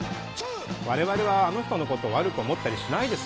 我々はあの人の事を悪く思ったりしないですよ。